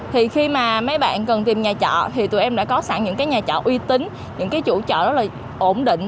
thì khi mà mấy bạn cần tìm nhà trọ thì tụi em đã có sẵn những cái nhà trọ uy tín những cái chủ chợ rất là ổn định